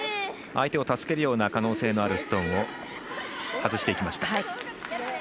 相手を助けるような可能性のあるストーンを外していきました。